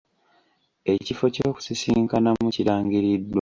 Ekifo ky'okusisinkanamu kirangiriddwa.